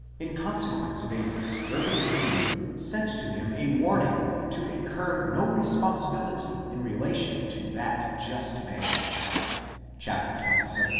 in consequence of a disturbing dream, sent to him a warning to incur no responsibility in relation to that just man (xxvii.